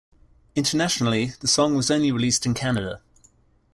Internationally, the song was only released in Canada.